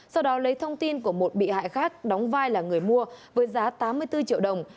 sau đó lấy thông tin của một bị hại khác đóng vai là người mua với giá tám mươi bốn triệu đồng